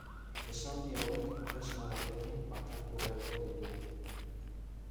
Esaldi hauek tresna batekin bakartu beharko ditugu.